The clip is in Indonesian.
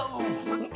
masih gak mau